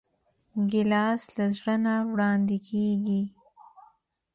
ګیلاس له زړه نه وړاندې کېږي.